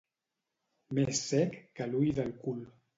Més cec que l'ull del cul.